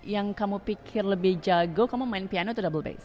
yang kamu pikir lebih jago kamu main piano itu double back